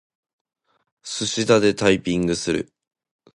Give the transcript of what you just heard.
すしだでタイピングする。